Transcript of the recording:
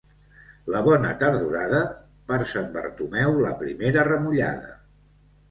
La bona tardorada, per Sant Bartomeu la primera remullada.